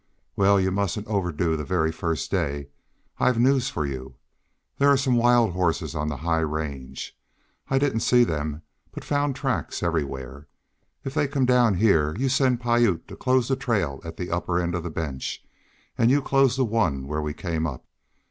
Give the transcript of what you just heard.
"Well, you mustn't overdo the very first day. I've news for you. There are some wild horses on the high range. I didn't see them, but found tracks everywhere. If they come down here you send Piute to close the trail at the upper end of the bench, and you close the one where we came up.